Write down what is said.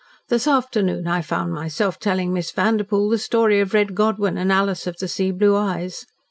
This afternoon I found myself telling Miss Vanderpoel the story of Red Godwyn and Alys of the Sea Blue Eyes.